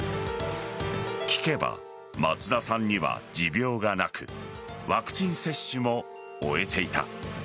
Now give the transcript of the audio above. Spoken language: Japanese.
聞けば、松田さんには持病がなくワクチン接種も終えていた。